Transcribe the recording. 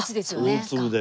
大粒で。